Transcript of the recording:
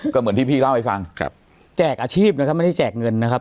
ก็เหมือนที่พี่เล่าให้ฟังครับแจกอาชีพนะครับไม่ได้แจกเงินนะครับ